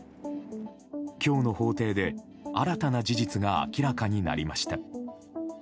今日の法廷で新たな事実が明らかになりました。